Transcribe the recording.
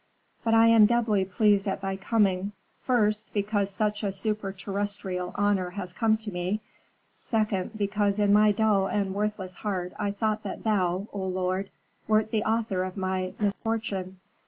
But I am doubly pleased at thy coming; first, because such a superterrestrial honor has come to me; second, because in my dull and worthless heart I thought that thou, O lord, wert the author of my misfortune.